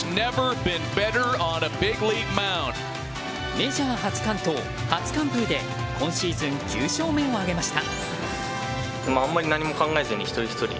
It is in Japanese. メジャー初完投・初完封で今シーズン９勝目を挙げました。